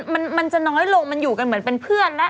มันมันจะน้อยลงมันอยู่กันเหมือนเป็นเพื่อนนะ